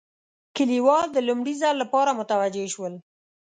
کلیوال د لومړي ځل لپاره متوجه شول.